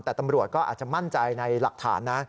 แต่ตำรวจก็อาจจะมั่นใจในหลักฐานนะ